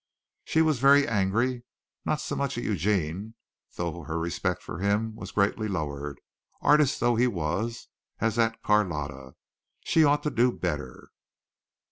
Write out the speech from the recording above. She was very angry, not so much at Eugene, though her respect for him was greatly lowered, artist though he was, as at Carlotta. She ought to do better.